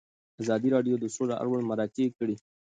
ازادي راډیو د سوله اړوند مرکې کړي.